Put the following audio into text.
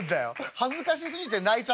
恥ずかしすぎて泣いちゃったのか？」。